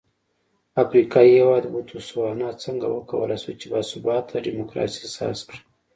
افریقايي هېواد بوتسوانا څنګه وکولای شول چې با ثباته ډیموکراسي ساز کړي.